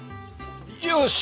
よし！